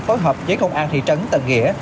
phối hợp với công an thị trấn tân nghĩa